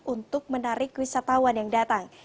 untuk menarik wisatawan yang datang